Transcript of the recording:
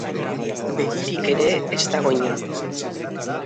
Begirik ere ez dago inon.